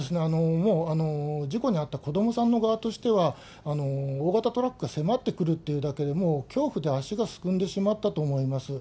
もう事故に遭った子どもさんの側としては、大型トラックが迫ってくるっていうだけで、恐怖で足がすくんでしまったと思います。